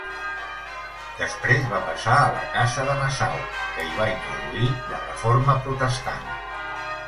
Després va passar a la casa de Nassau, que hi va introduir la reforma protestant.